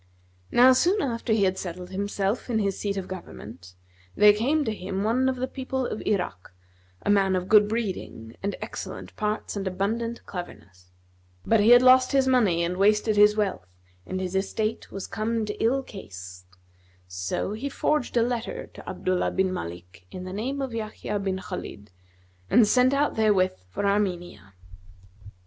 Now soon after he had settled himself in his seat of government, there came to him one of the people of Irak, a man of good breeding and excellent parts and abundant cleverness; but he had lost his money and wasted his wealth and his estate was come to ill case; so he forged a letter to Abdullah bin Malik in the name of Yahya bin Khбlid and set out therewith for Armenia.